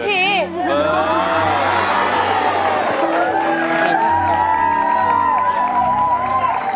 เอเว่ง